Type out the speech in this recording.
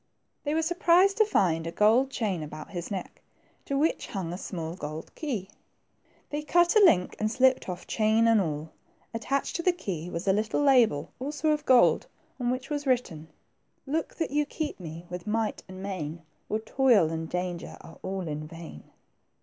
They were surprised to find a gold chain about his neck, to which hung a small gold key. They cut a link, and slipped off chain and all. Attached to the key was a little label, also of gold, on which was written, —" Look that you keep me with might and main, Or toil and danger are all in vain."